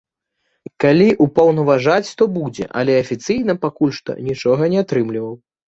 Калі ўпаўнаважаць, то будзе, але афіцыйна пакуль што нічога не атрымліваў.